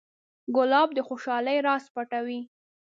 ګلاب د خوشحالۍ راز پټوي.